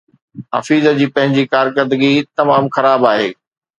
حفيظ جي پنهنجي ڪارڪردگي تمام خراب آهي